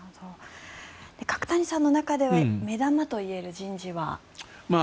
角谷さんの中では目玉といえる人事は？